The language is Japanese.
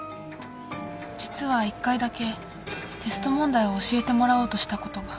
実は１回だけテスト問題を教えてもらおうとしたことが